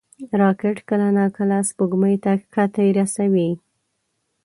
راکټ کله ناکله سپوږمۍ ته کښتۍ رسوي